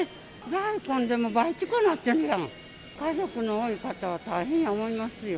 大根でも倍近くなってるもん、家族の多い方は大変やと思いますよ。